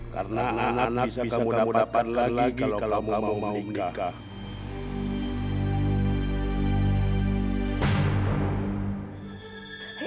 karena anak bisa kamu dapatkan lagi kalau kamu mau menikah